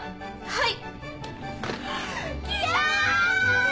はい。